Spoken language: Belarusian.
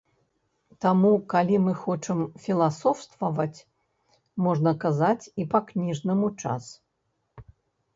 Таму, калі мы хочам філасофстваваць, можна казаць і па-кніжнаму час.